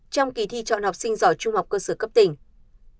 trong kỳ thi chọn học sinh giỏi trung học cơ sở cấp tỉnh